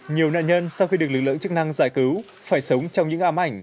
nhiều nạn nhân sau khi được lực lượng chức năng giải cứu phải sống trong những ám ảnh